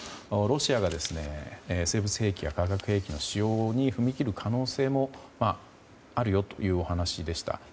ロシアが生物兵器や化学兵器の使用に踏み切る可能性もあるよというお話でした。